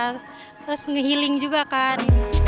terus ngehiling juga kan